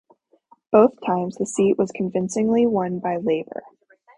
Both times the seat was convincingly won by Labor.